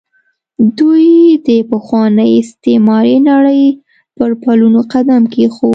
دوی د پخوانۍ استعماري نړۍ پر پلونو قدم کېښود.